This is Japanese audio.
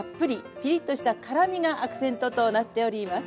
ピリッとした辛みがアクセントとなっております。